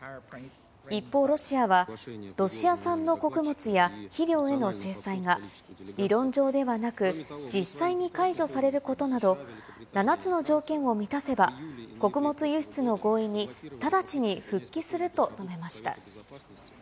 一方、ロシアはロシア産の穀物や、肥料への制裁が、理論上ではなく、実際に解除されることなど、７つの条件を満たせば、穀物輸出の合意に直ちに復帰すると述べました。